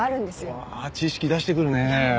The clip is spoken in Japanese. うわ知識出してくるね。